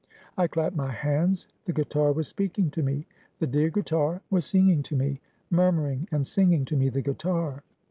I clapt my hands; the guitar was speaking to me; the dear guitar was singing to me; murmuring and singing to me, the guitar.